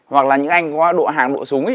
hoặc là những anh có độ hàng độ súng